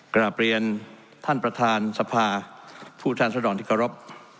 กล้าเปลี่ยนท่านประธานสภาผู้ท่านสะดองที่กรอบ